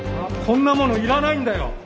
こんなものいらないんだよ。